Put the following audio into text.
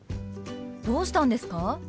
どうしたんですか？